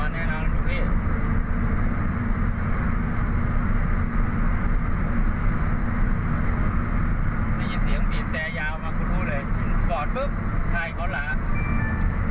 ได้ยินเสียงบีบแตรยาวมาคุณพูดเลยฟอร์ดปุ๊บทายอีกข้อหลา